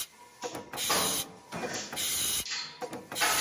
变形光面介为光面介科光面介属下的一个种。